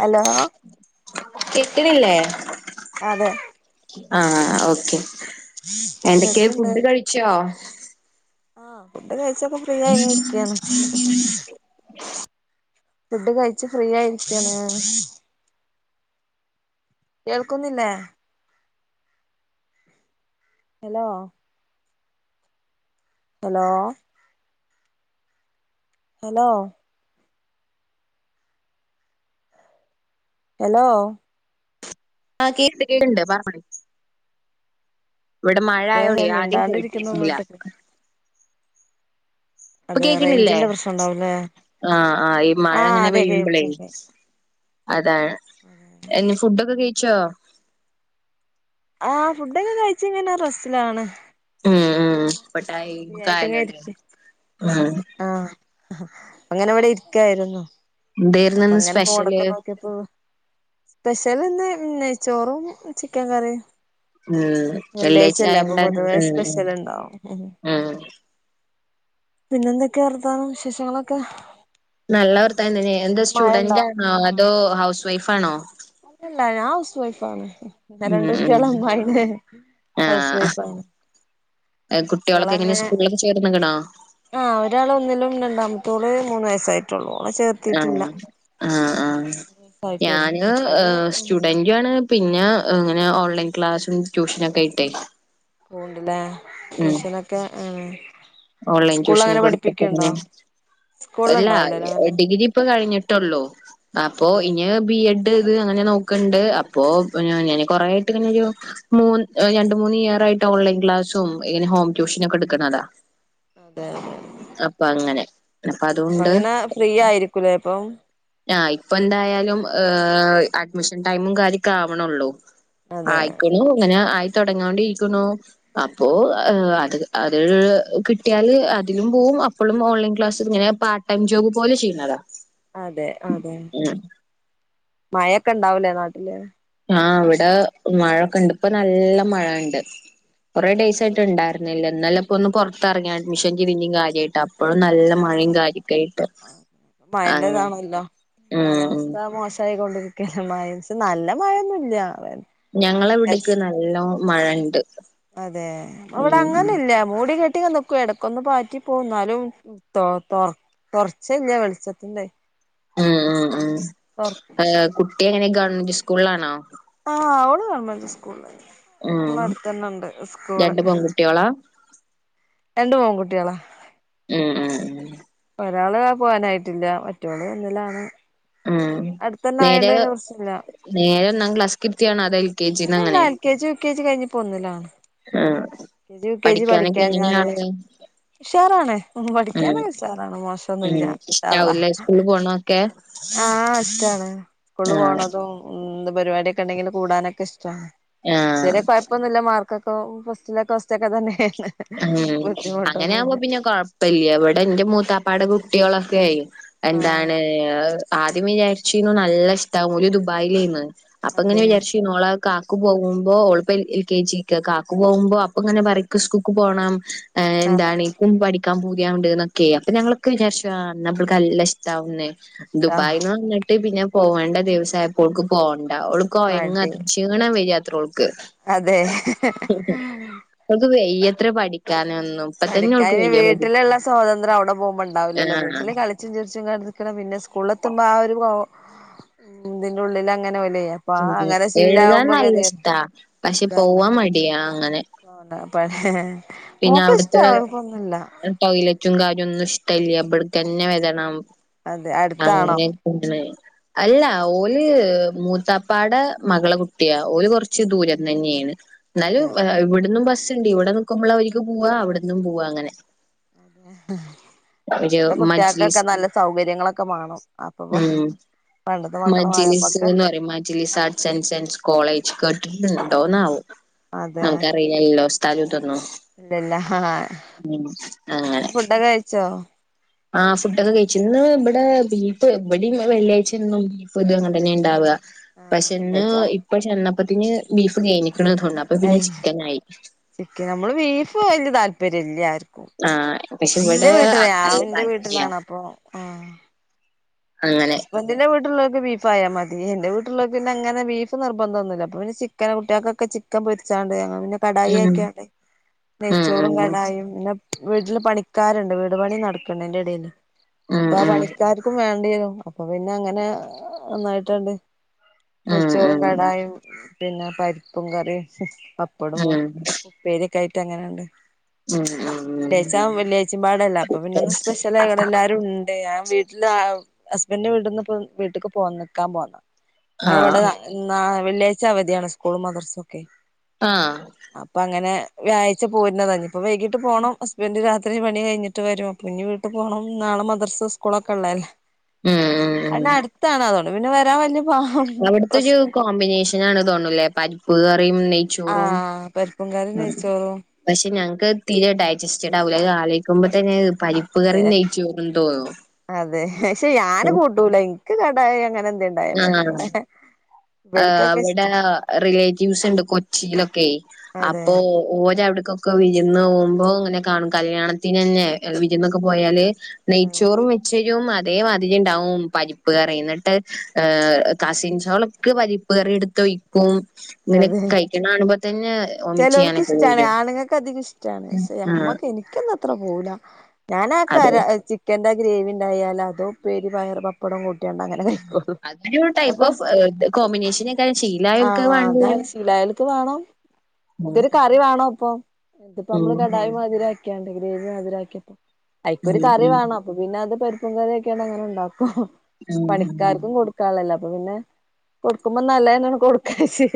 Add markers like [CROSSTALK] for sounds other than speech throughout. Hello. േകക്കണില്ലേ? അതെ ആഹ് ഓക്കെ എന്തൊക്കെ കേക്ക്ണ്ട് ഫുഡ് കഴിച്ചോ? ആഹ ഫുഡ് കഴിച്ചപ്പോ ഫ്രീ ആയി ഇരിക്കന്നു ഫുഡ് കഴിച്ചു ഫ്രീ ആയിരിക്കാണ്. കേൾക്കുന്നില്ലേ? Hello hello hello hello. ആ് കേക്ണ്ട് കേക്ണ്ട് പറഞ്ഞ ഇവിടെ മഴ എന്താ ആയോണ്ടെ ആദ്യം മിണ്ടാണ്ടിരിക്കുന്നു കേട്ടിരുന്നില്ല പോലത്തൊക്കെ ഇപ്പൊ അതെ കേക്കണില്ലേ റേഞ്ചിന്റെ പ്രശ്നം ഉണ്ടാവുംല്ലേ ആഹ ആ ഈ മഴ ആഹ് ഇങ്ങനെ അതെ പെയ്യുമ്പളേ? കേൾക്ക്ണ്ട് അതാണ് എന്ന ഫുഡൊക്കെ കഴിച്ചോ? ആഹ് ഫുഡൊക്കെ കഴിച്ച് ഇങ്ങനെ റസ്റ്റിലാണ് ഉം ഉ ഫ്രീ പട്ടായിക്കായല്ലോല്ലേ? ആഹ അങ്ങനെ അവിടെ ഇരിക്കായിരുന്നു. എന്തേ ര്ന്നു ഇന്ന് സ്പെഷ്യല് എപ്പോ സ്പെഷ്യൽ ഇന്ന് നെയ്ചോറും ചിക്കൻ കറിയും. ഉം വെള്ളിയാഴ്ച ല്ലേ അപ്പൊ ആയോണ്ട് പൊതുവേ ഉം ഉം സ്പെഷ്യൽ ഇണ്ടാവും ഉം പിന്നെ എന്തൊക്കെയാ വർത്ഥാനം വിശേഷങ്ങളൊക്കെ? നല്ല വർത്താനം എന്തോ മഴണ്ടോ സ്റ്റുഡന്റണോ അതോ ഹൗസ് വൈഫാണോ? അല്ലല്ല ഞാൻ ഹൗസ് വൈഫ് ആണ് ഉം രണ്ട് ഉം കുട്ടിക െള അമായി ലേ ഹൗസ് ആഹ് വൈഫ് ആണ്. കുട്ടികളൊക്കെ എങ്ങനെ സ്കൂളിലൊക്കെ ചേർന്ന് ക്ക്ണോ? ആഹ് ഒരാൾ ഒന്നിലും രണ്ടാമത്തോള് മൂന്ന് വയസ്സായിട്ടുള്ളൂെ ഓളെ ആ ചേർത്തിട്ടില്ല ആ ആ മൂന്ന് വയസ്സായിട്ടുള്ളൂ ഞാന് മറ്റോള് ഒന്നില് സ്റ്റുഡന്റു ആണ്. പിന്നെ ഇങ്ങനെ ഓൺലൈൻ ക്ലാസ്സും ട്യൂഷനൊക്കെ ആയിട്ടെയ്. പോവ്ണ്ടില്ലേ ട്യൂഷനൊക്കെ ഓൺലൈൻ സ്കൂളിൽ ട്യൂഷന് അങ്ങനെ ഒക്കെ പഠിപ്പിക്ക്ണ്ടോ കൊടുത്തെട്ടെങ്ങനെ സ്കൂളിൽ അല്ല ഉണ്ടാവൂലല്ലോ അങ്ങനെ ഡിഗ്രി ഇപ്പൊ കഴിഞ്ഞിട്ടൊള്ളു അപ്പൊ അതെ ഇനി. ബി എഡ് ഇത് അങ്ങനെ നോക്ക്ണ്ട് അപ്പോ അതെ ഞാന് കൊറോയിട്ട് ഇങ്ങനെ ജോ മൂന്ന് രണ്ട് മൂന്ന് ഇയർ ആയിട്ട് ഓൺലൈൻ ക്ലാസ്സും ഇങ്ങനെ ഹോം ട്യൂഷനൊക്കെ എടുക്കുന്നതാ. അതെ അതെ അതെ. അപ്പൊ അങ്ങനെ അപ്പ ഇപ്പ അതുകൊണ്ട്. അങ്ങനെ ഫ്രീ ആയിരിക്കൂലേ ഇപ്പം ആഹ് ഇപ്പൊ എന്തായാലും അഡ്മിഷൻ ടൈമും കാര്യൊക്കെ ആവണൊള്ളു അതെ ആയിക്ക്ണു ഇങ്ങനെ ആയി തൊടങ്ങിയോണ്ടി ഇരിക്ക്ണു. അപ്പോ അത് അത് കിട്ടിയാല് അതിലും പോവും അപ്പോഴും ഓൺലൈൻ ക്ലാസ് ഇങ്ങനെ പാ എം ജോബ് പോലെ ചെയ്യുന്നതാ. അതെ അതെ ഉം മയൊക്കെ ഇണ്ടാവു ലെ നാട്ടില്? ആഹ് ഇവിട മഴൊക്കെ ഇണ്ട് ഇപ്പൊ നല്ല മഴണ്ട് കുറേ ഡേയ്സ് മഴന്നെ ആയിട്ട് ഇവിടെ ഉണ്ടായിരുന്നു. ഇല്ല ഇന്നലക്കൊന്ന് പുറത്തെറങ്ങിയാരുന്ന് [UNINTELLIGIBLE] കാര്യമായിട്ട ഇപ്പോഴും നല്ല അതെ മഴയും കാര്യക്കായിട്ട് അങ്ങനെ. മഴന്റെതാണല്ലോ കാലാവസ്ഥ മോശായി കൊണ്ടിരിക്കാണ് മഴ നല്ല മഴൊന്നുല്ല അവ ഞങ്ങളെവിടക്ക് നല്ലോ മഴ ഇണ്ട്. അതെ അവിടെ അങ്ങനെ ഇല്ല മൂടി കെട്ടി ഇടക്കൊന്ന് പാറ്റി പോവും ന്നാലും തൊ തൊ തൊറച്ചഇല്ല വെളിച്ചത്തിന്റെ ഉം ഉം ഉം തൊർ കുട്ടി എങ്ങനെ ഗവൺമെന്റ് സ്കൂളിലാണോ? ആഹ് അവള് ഗവണ്മെന്റ് സ്കൂള് നമ്മളെ അടുത്ത് തന്നെ ഇണ്ട് സ്കൂള് കുട്ടോളാ രണ്ട് െ പൺകുട്ടികളാ. ഉം ഉം ഉം ഒരാള് ആ പോവാനായിട്ടില്ല മറ്റോള് ഒന്നിലാണ്. ഉം അടുത്തന്നെ നേരെ ആയോണ്ട് പിന്നെ പ്രശ്നല്ല നേരെഒന്നാം ക്ലാസ്ക് ഇരുത്തിയയാണോ അതോ എൽ കെ ജിന്ന് അല്ലല്ല അങ്ങനെ. L K G U K G കഴിഞ്ഞി പോന്നില്ലാണ് ആഹ് L K G U K G പഠിക്കാനൊക്കെ എങ്ങനെയാ പഠിക്കാഞ്ഞാൽ. ആള് ഉഷാറാണ് ഉം പഠിക്കാനൊക്കെ ഉഷാറാണ് മോശൊന്നുല്ല ഉം ഇൻശാ അല്ലാഹ് ഇഷ്ടാവൂല്ലേ സ്കൂളിൽ പോണൊക്കെ ആഹ ഇഷ്ടാണ് സ്കൂള് ആഹ് പോണതും എന്ത് പരിപാടിയൊക്കെ ഇണ്ടെങ്കിൽ കൂടാനൊക്കെ ഇഷ്ടാണ്. ആഹ് ഇതരെ കുഴപ്പൊന്നുല്ല മാർക്കൊക്കെ ഫസ്റ്റിലൊക്കെ ഫസ്റ്റ് ഒക്കെ തന്നെ ഉം അങ്ങനെയാവുമ്പോ പിന്നെ കൊഴ വലിയവിടെ എന്റെ മൂത്താപ്പാട് കുട്ടികളൊക്കെ ആയി ആഹ് എന്താണ് ആദ്യം വിചാരിച്ചന്ന് നല്ല ഇഷ്ടാവും ഓല് ദുബായിലേന്ന് അപ്പൊ ഇങ്ങനെ അതെ വിചാരിച്ച് ഓള കാക്ക് പോകുമ്പോള എൽ കെ ജിക്ക് കാക്ക് പോകുമ്പോ അപ്പൊ അങ്ങനെ പറയും പോണം ആഹ് എന്താണ്ണ പഠിക്കാൻ പൂതിയാണ്ട് എന്നൊക്കെ അപ്പൊ ഞങ്ങളൊക്കെ വിചാരിച്ചു അന്നപ്പൾ നല്ല ഇഷ്ടമാന്ന ഇഷ്ടാ ദുബായ് ന്ന് പിന്നെ പോകണ്ട ദദേവസായപ്പോൾക്ക് പോവണ്ട ഒടുക്ക കൊയങ്ങ മടി അത്ര ക്ഷീണം വരിത്രോൾക്ക് അതെ ഓക്ക് വെയ്യത്ര പഠിക്കാനൊന്നും ഇപ്പ തന്നെ പഠിക്കാൻ ഓൾക്ക് ഇനി വയ്യ പഠി വീട്ടിലുള്ള സ്വാതന്ത്ര്യം അവിടെ പോകുമ്പോൾണ്ടാവില്ലല്ലോ ആഹ് വീട്ടില് കളി ചച്ചും ചിറച്ചും ഇ എടുക്കണം. പിന്നെ സ്കൂളില എത്തുമ്പോ ആ ഒരു ഇതിന്റെ ഉള്ളിൽ അങ്ങനെ ഓല് ഉം എഴുതാൻ നല്ല ഇഷ്ടാ പക്ഷെ പോവാൻ മടിയാ അങ്ങനെ വാണ്ട പ പിന്നെ അവിടുത്തെ ടോയ്ലറ്റും കാര്യൊന്നും ഇഷ്ടല്ല അവിടെ തന്നെ വരണം അതെ അടുത്താണോ അങ്ങനെ അല്ല ഓല് മൂത്താപ്പാടെ മകളെ കുട്ടിയാ ഓല് കൊറച്ച് ദൂരം തന്നെയാണ് എന്നാലും അതെ ഇവിടന്നും ബസ് ഇണ്ട്. ഇവിടെ നിക്കുമ്പോള അവർക്ക് പോവാ അവിടന്നും പോവാ. അങ്ങനെ അതെ ഒരു ഇപ്പത്തെ മജ്ലിസ് കുട്ടികൾക്കൊക്കെ നല്ല സൗകര്യങ്ങളൊക്കെ വേണം അപ്പൊ പണ്ടത്തെ മക്കളെ മാതിരി മജ്‌ലിസ് നമ്മക്ക് ന്ന് പറയും മജ് ആസ് ആൻ് സയൻസ് കോളേജ് കേട്ടിട്ടുണ്ടോന്നാവും നമുക്കറി യല്ലോ സ്ഥലത് ന്നോ ഇല്ല ഇല്ല ആഹ് ഫുഡ് ഒക്കെ കഴിച്ചോ ആഹ് ഫുഡോക്കെ കഴിച്ചു. ഇന്ന് ഇവിടെ ബീഫ് എവിട വെള്ളിയാഴ്ചും ബീഫ് ഇത് അങ്ങനെ തന്നെ ഉണ്ടാവാ. ആ പക്ഷെന്ന് കഴിച്ച ഇപ്പൊ ചെന്നപ്പത്തന് ബീഫ് കെയ്ഞ്ഞിക്ക്ണ് അപ്പൊ പിന്നെ ചിക്കൻ ആയി. ചിക്കൻ നമ്മള് ബീഫ് വലിയ താല്പര്യം ഇല്ലാർക്കും ആഹ് പക്ഷെ ഇവിടെ നല്ല താല്പര്യ വീട്ടിലാണ് അപ്പൊ അങ്ങനെ ഹസ്ബൻ്റിന്റെ വീട്ടിള്ളോൽക്ക് ബീഫ് ആയാൽ മതി എന്റെ വീട്ടിള്ളോക്ക് പിന്നെ അങ്ങനെ ബീഫ് നിബന്ധംന്നില്ല അപ്പന്ന ചിക്കന് കുട്ടികൾക്കൊക്കെ ചിക്കൻ പൊരിച്ചാണ്ട് ഞന്നെ കടായി ഉം ആക്ക്യാണ്ട് ഉം നെയ്ച്ചോറും ഉം കടായും പിന്നെ വീട്ടില് പണിക്കാരുണ്ട് വീട് പണി നടക്കണ്ട് അതിന്റെ ഇടയില് ഉം അപ്പൊ ആ ഉം പണിക്കാർക്കും വേണ്ടി വരും അപ്പൊ പിന്നെ അങ്ങനെ ഒന്നായിട്ടാണ്ട് ഉം നെയച്ചോറും ഉം കടായും പിന്നെ പരിപ്പും കറിയും പപ്പടും ഉപ്പേരി യൊക്കെ ആയിട്ട് അങ്ങനെയുണ്ട് ഉം ഉം ഉം വെള്ളിയഴ്ച വെള്ളിയാഴ്ചയും പാടല്ല അപ്പൊ പിന്നെ ഉം ഒന്ന്സ്പെഷ്യലായി എല്ലാരും ണ്ട് ഞാൻ വീട്ടിലാ ഹസ്ബൻ്റ്ന്റെ വീട്ട്ന്ന് വീട്ടേക്ക് പോ നിക്കാൻ പോന്ന ആ ഞങ്ങളവിടെ എന്നാ വെള്ളിയാഴ്ച അവധിയാണ് സ്കൂളും മദർസൊക്കെ ആഹ് അപ്പൊ അങ്ങനെ വ്യാഴ്ച പോരുന്നത ഇപ്പൊ വൈകിട്ട് പോണം ഹസ്ബന്ഡ് രാത്രി ഇത്രയും പണി കഴിഞ്ഞിട്ട് വരും ഇപ്പിനി വീട്ടിപോണം നാളെ മദ്രസെം സ്കൂളൊക്കൊള്ളതല്ലേ. ഉം ഉം ഉം അയിനടുത്താണതോണ്ട് പിന്നെ വരാൻ വല്യ- അവിടത്തെൊരു കോമ്പിനേഷൻ ആണ് തോന്നൂലേ പരിപ്പൂ കറിയും നെയ് ആഹ് പരിപ്പും കറിയും നെയ്ച്ചോറും പക്ഷെ ഞങ്ങക്ക് തീരെ ഡൈജസ്റ്റഡ് ആവൂല ആലോചിക്കുമ്പോ തന്നെ പരിപ്പ് അതെ കറിയും നെയച്ചോറുണ്ടോ അതെ പക്ഷെ ഞാന് കൂട്ടൂല എനിക്ക് കടായി അങ്ങനെ എന്തെങ്കിലും ഉണ്ടായ മതി ഇവൽക്കൊക്കെ ഇഷ്ട ആഹ്അവിടെ റിലേറ്റീവ്സ് ഉണ്ട് കൊച്ചിയിലൊക്കെ അതെ അപ്പോ ഓരവിടക്കൊക്കെ വിരുന്ന് പോകുമ്പോ അങ്ങനെ കാണും കല്യാണത്തിന് തന്നെ വിരുന്നൊക്കെ പോയാല് നെയ്ച്ചോറും മെച്ചെരും അതേ മാതിരിണ്ടാവും പരിപ്പ് കറിയുന്നിട്ട് ഏ കസിൻസോളൊക്കെ പരിപ്പ് കറി എടുത്തൊയിക്കും ഇങ്ങനെ അതെ കയിക്കണ കാണുമ്പൊത്തന്നെ ചെലോൽക്ക് ഓമിറ്റെയ്യാനൊക്കെ ഇഷ്ടാണ് വരും ആ എക്കൊന്നും അത്ര പോവുല ഞാനാ കര ചിക്കന്റെ ഗ്രേവിണ്ടായാലതും ഉപ്പേരി പയർ പ- പ്പടവും കൂട്ടിയണ്ടങ്ങനെ കഴിക്കുള്ളൂ അതൊരു ടൈപ്പ് അപ്പൊ ഓഫ് കോമ്പിനേഷനേക്കാരം ആ ശീലായോൽക്ക് അത് ആഹ്. എന്താ വാണ്ടിവരും. ശിലായലക്ക് വേണം ഒത്തിരി കറി വേണോപ്പൊ അതിപ്പൊമ്മള് കടായി മധുരാക്കിയാണ്ട് ഗ്രേവി മധുരാക്കിയപ്പൊ ഐക്കൊരു കറി വേണം. അപ്പപ്പിന്നത് പരിപ്പും കറിയാക്കിയാണ്ട് അങ്ങന്ണ്ടാക്കും പണിക്കാർക്കും കൊട് ക്കളല്ല അപ്പൊപ്പിന്നെ കൊടുക്കുമ്പൊ നല്ലതെന്നാന്ന് കൊടുക്കാച്ച്.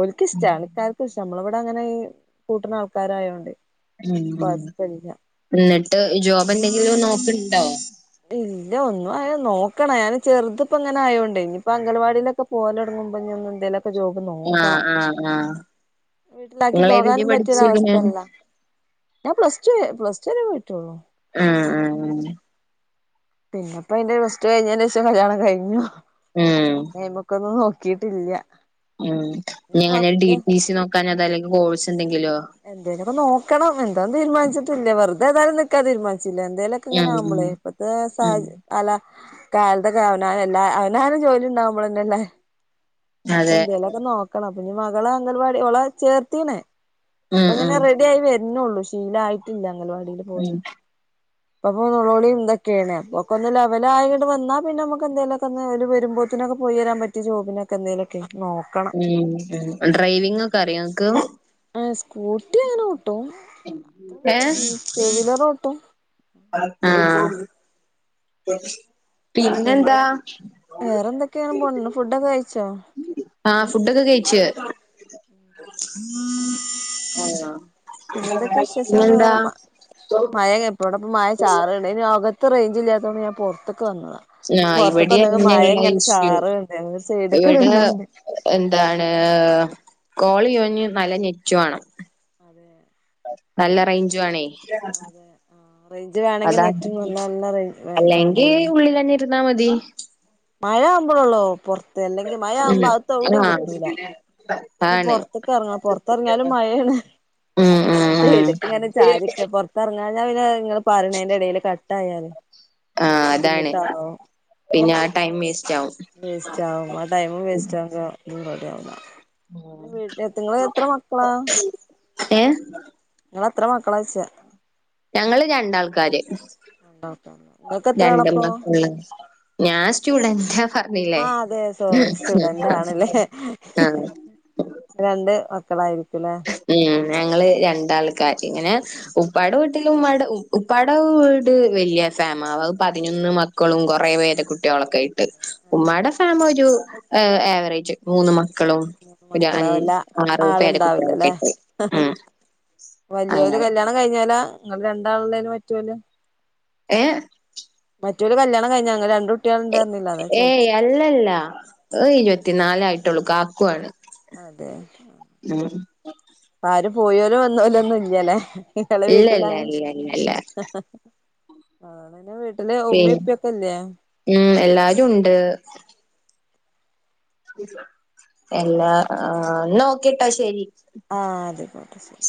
ഓൽക്കിഷ്ടാണ് ആൾക്കാർക്കിഷ്ടാ നമ്മളിവടങ്ങനെ കൂട്ടണാൾക്കാരായോണ്ടേ. ഉം ഇന്നിട്ട് ജോബെന്തെങ്കിലും നോക്ക്‌ണ്ടോ ഇല്ല ഒന്നും ആയ നോക്കണം അയെന്നെ ചെറുത്പ്പ്ങ്ങനായോണ്ടേ ഇനിപ്പൊ അങ്കലവാടിയിലൊക്കെ പോവലൊടങ്ങുമ്പൊ ഇന്നി എന്തേലൊക്കെ ജോബ് ആഹ് നോക്കണം ആഹ് ആഹ് വീട്ടിലാക്കി ഇങ്ങളേതില് പോകാനും പഠിച്ചിക്ക്ണ്? പറ്റിയൊരവസ്ഥയല്ല. ഞാൻ പ്ലസ് ടു പ്ലസ് ടു വരെയേ പോയിട്ടുള്ളൂ ആഹ് ആഹ് പിന്നെപ്പയിന്റെ പ്ലസ് ടു കഴിഞ്ഞയിന് ശേഷം കല്യാണം കഴിഞ്ഞു ഉം പിന്നെഅ മുക്കൊന്നും നോ ചീട്ടില്യ ഉം പിന്നങ്ങനെ ടി പി സി നോക്കാനതല്ലെങ്കിൽ കോഴ്സെന്തെങ്കിലോ? എന്തേലൊക്കെ നോക്കണം എന്താന്ന് തീരുമാനിച്ചിട്ടില്ല വെറുതേതായാലും നിക്കാൻ തീരുമാനിച്ചില്ല എന്തേലൊ ഉം ഉം ക്ക്‌ങ്ങനാവുമ്പളേ ഇപ്പത്തെ സാഹ ഉം അല്ല ഇക്കാലത്തൊക്കെ അവനവനെല്ലാ അവനവന് ജോലിയ്ണ്ടാവുമ്പളെന്നല്ലേ. അതെ അപ്പെന്തേലൊക്കെ നോക്കണം അപ്പിനി മകളെ അംഗൽവാടി അവളെ ചേർത്തീന് ഉം ഇപ്പങ്ങനെ ഉം റെഡിയായി വരുന്നുള്ളൂ ശീലായിട്ടില്ല അംഗൽവാടില് പോയി. ഉം [INAUDIBLE] അപ്പൊ മൊളോളി എന്തൊക്കെയാണ് അപ്പൊക്കൊന്ന് ലെവലാങ്ങ്ട് വന്നാ പിന്നമുക്കെന്തെലൊക്കൊന്ന് ഓല് വരുമ്പോ ത്തിനൊക്കെ പോയിവരാൻ പറ്റിയ ജോബിനൊക്കെന്തേലൊക്കെ ഉം ഡ്രൈവിംഗൊക്കറിയോ നിങ്ങക്ക്? ങ് സ്കൂട്ടി അങ്ങനോട്ടും ഏഹ് ങ് ടൂ വീലറോട്ടും. ആഹ് പിന്നെ പിന്നെന്താ വേറെന്തൊക്കെയാണ് പൊൻ ഫുഡൊക്കെ കയിച്ചോ. ആഹ് ഫുഡൊക്കെ കയിച്ച് [INAUDIBLE] ആഹ് പിന്നെന്തെക്കെയാ വിശേഷങ്ങള് വേറെ മ മഴ ഇപ്പ്വ്ടെ മഴ ചാറ ണ്ടായിന്നു അകത്ത് റേഞ്ചില്ലാത്തോണ്ട് ഞാൻ പൊറത്ത്ക്ക് വന്നതാ. ആഹ് പൊറത്ത്ക്ക്‌ ഇവിടെ വന്നെങ്ങ മഴ അങ്ങനെയുള്ള ഇങ്ങനെ ഇഷ്യൂ ചാറ്ണ്ട് നെ സൈട്ക്ക്‌ ഇവിടെ നിന്നാഞ്ഞ് എന്താണ് കോളെയ്യോഞ്ഞ് നല്ല നെറ്റ് വേണം. അതെ നല്ല റേഞ്ച് വേണേ അതെ ആ റേഞ്ച് വേ അതാണ് അല്ലെങ്കി വേണ്ടിയിരുന്നു ഉള്ളിലെന്നിരുന്നാ മതി. മഴ ആകുമ്പൊളൊള്ളൂ പൊറത്ത് അല്ലെങ്കി മഴ ആകുമ്പോ ഉം അകത്തെവിടെയും കിട്ടൂല. ആഹ് പിന്നെ ആണ് പൊറത്തെ ക്കറങ്ങ പൊറത്ത്റങ്ങിയാലും മഴയാണ്. ഉം ഉം ഉം എടക്ക്‌ങ്ങനെ ചാരിക്കാ പൊർ ത്തെറങ്ങാഞ്ഞാ പിന്നെ നിങ്ങള് പറയ്ണേന്റെടേല് കട്ടായാല് അതും ആഹ് അതാണ് ബുദ്ധിമുട്ടാവും. പിന്നെ ആ ടൈം വേസ്റ്റ് ആവും വേസ്റ്റാവും ആ ടൈമും വേസ്റ്റാവ ഒന്നും റെടി ആവുല വീട്ടി നിങ്ങളെത്ര മക്കളാ? ഏഹ്? നിങ്ങളെത്ര മക്കളായ്ച്ചേ ഞങ്ങള് രണ്ടാൾക്കാര് ഉണ്ടോ ഇങ്ങക്ക് എത്രയാളപ്പോ? ഉം [INAUDIBLE] ഞാൻ സ്റ്റുഡന്റാ പറഞ്ഞില്ലേ ആ അതെ സോറി സ്റ്റുഡന്റ് ആണല്ലേ ആഹ രണ്ട് മക്കളായിരിക്കുംല്ലേ? ഉം ഞങ്ങള് രണ്ടാൾക്കാര് ഇങ്ങനെ ഉപ്പാടവീ ഉപ്പാടെ വീട് വലിയ ഫാമ അത് പതിനൊന്ന് മക്കളും കുറേ പേര കുട്ടികളൊക്കെ ഉമ്മാടെ സാമ് ഒരു ആവറേജ് മൂന്ന് മക്കളും മൂന്ന് ഒരു മക്കളാ അഞ് ആറു പേരക്കുട്ടിയ ആഹഹാ വല്ലിയോര് അങ്ങനെ കല്യാണം കഴിഞ്ഞാ ലാ ഇങ്ങൾ രണ്ടാളേലും പ റ്റോലൊ ഏഹ മറ്റോലെ കല്യാണം കഴിഞ്ഞാ. ഇ ങ്ങൾ രണ്ട് കുട്ട്യാൾ ണ്ട് റഞ്ഞില്ലെ അതാ ഏയ് ചോയ്ച്ചേ അല്ലല്ല ഇരുപത്തിനാലായിട്ടുള്ളൂ കാക്കുവാണ്. അതെ മ്ഹ് ഉം അപ്പൊ ആരും പോയോലും വന്നോലും ഒന്നൂല്ലല്ലേ നിങ്ങളെ ഇല്ല വീട്ടിലൊ ഇല്ല ആണ് ഇല്ല ഇല്ല ഇല്ല പിന്നെ വീട്ടില് ഉമ്മീം ഇപ്പിയൊക്കെ ഇല്ലേ? ഉം എല്ലാരും ഉണ്ട് എല്ലാ ആ നോ കേട്ടോശരി ആഹ് അതെ കോട്ട ശരി.